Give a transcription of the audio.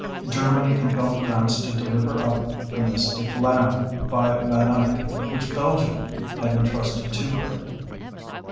Germany compelled France to deliver up "The Mystic Lamb" by Van Eyck, which Belgium had entrusted to her.